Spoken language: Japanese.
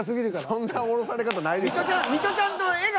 そんな降ろされ方ないでしょ。